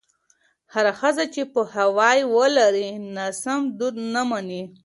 هره ښځه چې پوهاوی ولري، ناسم دود نه مني.